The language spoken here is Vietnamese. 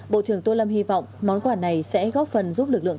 bộ trưởng tô lâm hy vọng món quà này sẽ góp phần giúp lực lượng